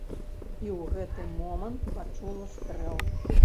І ў гэты момант пачула стрэл.